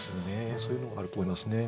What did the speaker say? そういうのがあると思いますね。